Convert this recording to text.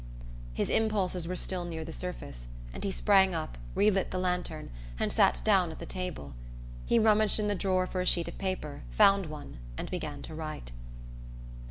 His impulses were still near the surface, and he sprang up, re lit the lantern, and sat down at the table. He rummaged in the drawer for a sheet of paper, found one, and began to write.